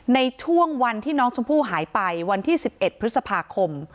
ในช่วงวันที่น้องชมพู่หายไปวันที่๑๑พฤษภาคม